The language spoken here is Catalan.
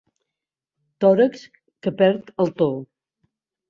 Tòrax que perd el to.